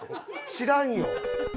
知らんよ。